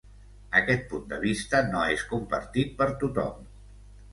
Aquest punt de vista no és compartit per tothom.